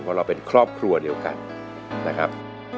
เพราะเราเป็นครอบครัวเดียวกันนะครับ